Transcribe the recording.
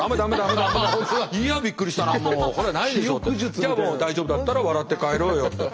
じゃあもう大丈夫だったら笑って帰ろうよと。